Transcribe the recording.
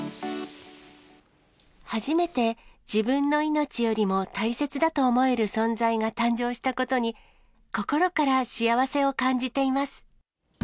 初めて自分の命よりも大切だと思える存在が誕生したことに、心から幸せを感じています。